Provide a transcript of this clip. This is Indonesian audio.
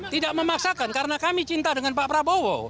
tidak memaksakan karena kami cinta dengan pak prabowo